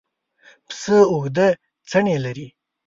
پسه اوږده څڼې لري.